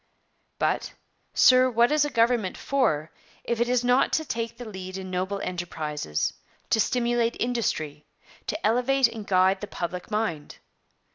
But, sir, what is a government for, if it is not to take the lead in noble enterprises; to stimulate industry; to elevate and guide the public mind?